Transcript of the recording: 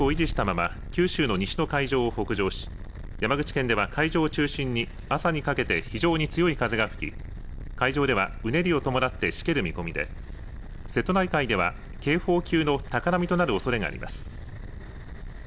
台風は勢力を維持したまま九州の西の海上を北上し山口県の海上を中心に朝にかけて非常に強い風が吹き海上ではうねりを伴ってしける見込みで瀬戸内海では警報級の高波となるおそれがあります。